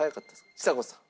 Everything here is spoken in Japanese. ちさ子さん。